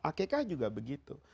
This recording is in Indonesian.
akekah juga begitu